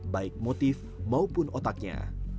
baik motif maupun otaknya